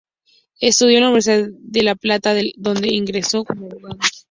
Estudió en la Universidad de La Plata, de donde egresó como abogado.